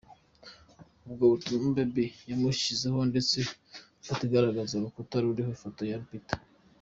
Ubwo butumwa Bebe yabushyizeho ndetse foto igaragaramo urukuta ruriho ifoto ya Lupita.